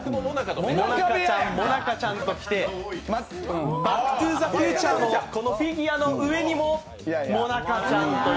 もなかちゃん、もなかちゃんときて、「バック・トゥ・ザ・フューチャー」のフィギュアの上にももなかちゃん。